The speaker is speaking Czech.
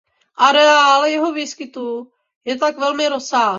Areál jeho výskytu je tak velmi rozsáhlý.